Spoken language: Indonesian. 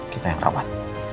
kita yang rawat